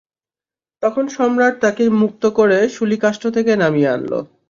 তখন সম্রাট তাঁকে মুক্ত করে শূলীকাষ্ঠ থেকে নামিয়ে আনল।